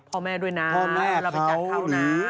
พ่อแม่ด้วยนะเราไปจัดเขานะ